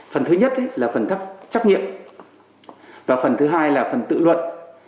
phần thứ nhất là phần chấp nghiệm và phần thứ hai là phần tự luận